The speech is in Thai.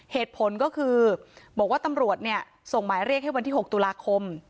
เหตุผลก็คือบอกว่าตำรวจเนี่ยส่งหมายเรียกให้วันที่๖ตุลาคม